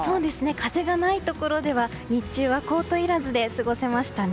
風がないところでは日中はコートいらずで過ごせましたね。